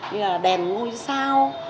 như là đèn ngôi sao